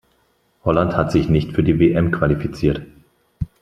Holland hat sich nicht für die WM qualifiziert.